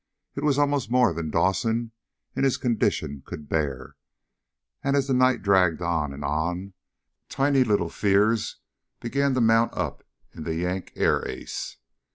It was almost more than Dawson, in his condition, could bear. And as the night dragged on and on, tiny little fears began to mount up in the Yank air ace.